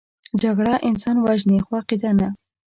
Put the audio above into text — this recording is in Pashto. جګړه انسان وژني، خو عقیده نه